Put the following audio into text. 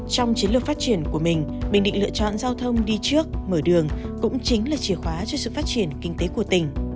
trong chiến lược phát triển của mình bình định lựa chọn giao thông đi trước mở đường cũng chính là chìa khóa cho sự phát triển kinh tế của tỉnh